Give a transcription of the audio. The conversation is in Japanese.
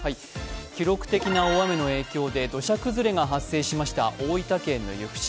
記録的な大雨の影響で土砂崩れが発生しました大分県の由布市。